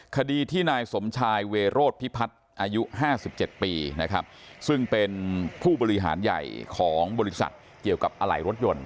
คดีที่นายสมชายเวโรธพิพัฒน์อายุ๕๗ปีนะครับซึ่งเป็นผู้บริหารใหญ่ของบริษัทเกี่ยวกับอะไหล่รถยนต์